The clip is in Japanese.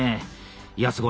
いやすごい。